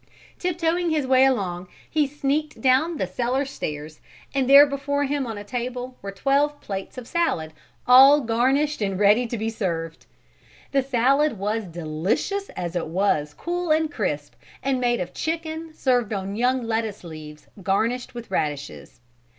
Tiptoeing his way along, he sneaked down the cellar stairs and there before him on a table were twelve plates of salad all garnished and ready to be served. The salad was delicious as it was cool and crisp and made of chicken served on young lettuce leaves garnished with radishes.